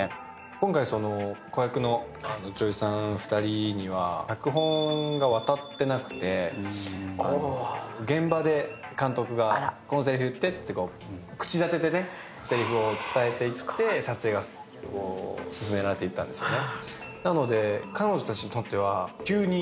今回子役の女優さん２人には脚本が渡ってなくて現場で監督が、このせりふ言ってと口立てでせりふを言って撮影が進められていったんですよね。